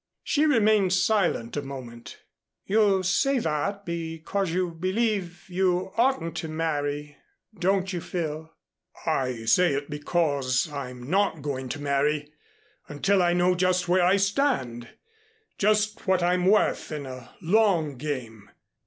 She remained silent a moment. "You say that, because you believe you oughtn't to marry, don't you, Phil?" "I say it because I'm not going to marry until I know just where I stand just what I'm worth in a long game.